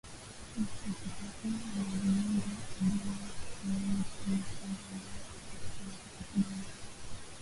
Msitu huu una viumbe adimu wakiwemo Kima punju ambae hapatikani popote duniani